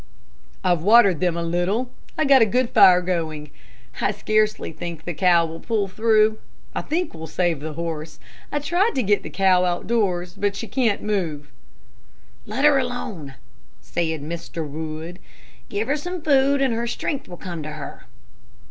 "I've watered them a little, and got a good fire going. I scarcely think the cow will pull through. I think we'll save the horse. I tried to get the cow out doors, but she can't move." "Let her alone," said Mr. Wood. "Give her some food and her strength will come to her.